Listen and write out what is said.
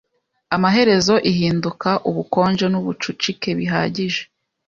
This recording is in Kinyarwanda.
Amaherezo ihinduka ubukonje nubucucike bihagije